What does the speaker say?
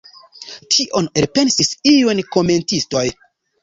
Tion elpensis iuj komentistoj.